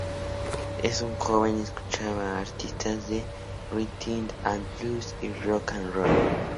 En su juventud, escuchaba a artistas de rhythm and blues y rock and roll.